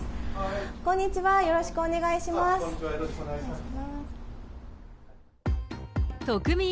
こんにちは、こんにちは、よろしくお願いします。